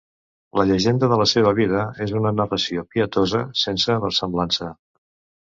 La llegenda de la seva vida és una narració pietosa, sense versemblança.